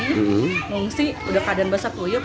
mengungsi sudah keadaan basah puyuk